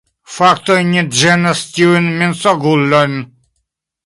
Faktoj ne ĝenas tiujn mensogulojn.